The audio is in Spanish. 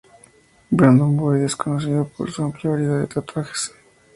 Brandon Boyd es conocido por su amplia variedad de tatuajes.